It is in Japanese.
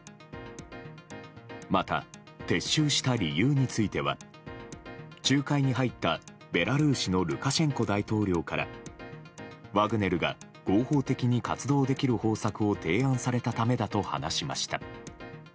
また撤収した理由については仲介に入ったベラルーシのルカシェンコ大統領からワグネルが合法的に活動できる方策を提案されたためだと話しました。